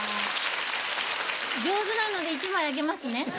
上手なので１枚あげますね。